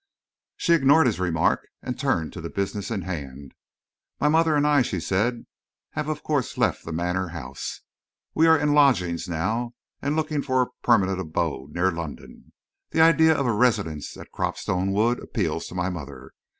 She ignored his remark and turned to the business in hand. "My mother and I," she said, "have of course left the Manor House. We are in lodgings now and looking for a permanent abode near London. The idea of a residence at Cropstone Wood appeals to my mother.